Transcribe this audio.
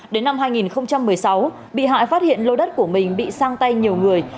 đến năm hai nghìn một mươi sáu bị hại phát hiện lô đất của mình bị sang tay nhiều người